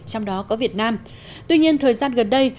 trong đó có việt nam tuy nhiên thời gian gần đây